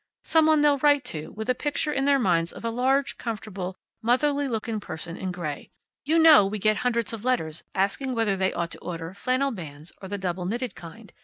Some one they'll write to, with a picture in their minds of a large, comfortable, motherly looking person in gray. You know we get hundreds of letters asking whether they ought to order flannel bands, or the double knitted kind.